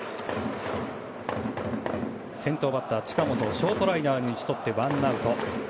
先頭バッター、近本をショートライナーに打ち取ってワンアウト。